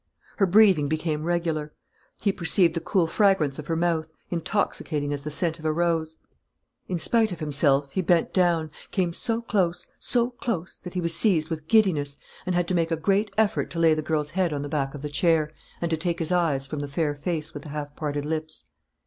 Her breathing became regular. He perceived the cool fragrance of her mouth, intoxicating as the scent of a rose. In spite of himself, he bent down, came so close, so close that he was seized with giddiness and had to make a great effort to lay the girl's head on the back of the chair and to take his eyes from the fair face with the half parted lips.